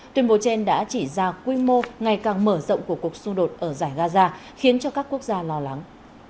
tuyên bố trên đã chỉ ra quy mô ngày càng mở rộng của cuộc xung đột ở giải gaza khiến cho các quốc gia lo lắng